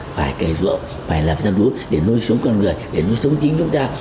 phải cầy ruộng phải làm ra đuốt để nuôi sống con người để nuôi sống chính chúng ta